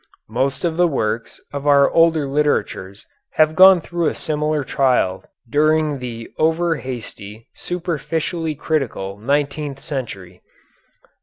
Most of the works of our older literatures have gone through a similar trial during the over hasty superficially critical nineteenth century.